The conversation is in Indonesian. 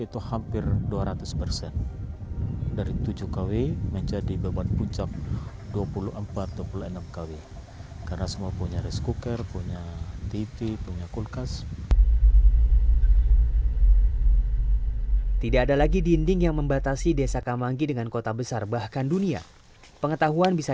tidak ada lagi dinding yang membatasi desa kamangi dengan kota besar bahkan dunia pengetahuan bisa